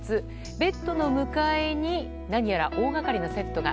ベッドの向かいに何やら大掛かりなセットが。